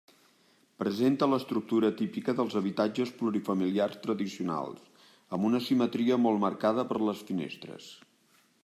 Presenta l'estructura típica dels habitatges plurifamiliars tradicionals, amb una simetria molt marcada per les finestres.